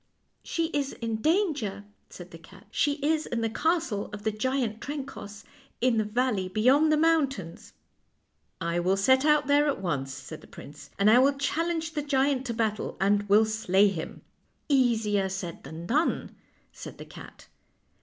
"" She is in danger," said the cat. " She is in the castle of the giant Trencoss, in the valley beyond the mountains." " I will set out there at once," said the prince, " and I will challenge the giant to battle, and will slay him." " Easier said than done," said the cat.